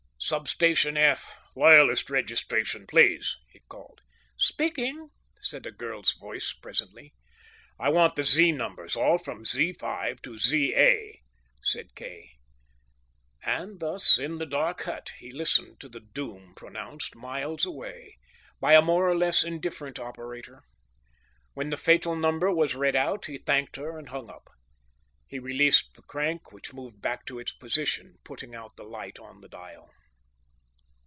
"Sub Station F, Loyalist Registration, please," he called. "Speaking," said a girl's voice presently. "I want the Z numbers. All from Z5 to ZA," said Kay. And thus, in the dark hut, he listened to the doom pronounced, miles away, by a more or less indifferent operator. When the fatal number was read out, he thanked her and hung up. He released the crank, which moved back to its position, putting out the light on the dial.